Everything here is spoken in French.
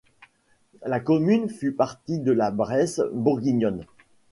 La commune fait partie de la Bresse bourguignonne.